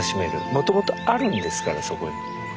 もともとあるんですからそこに。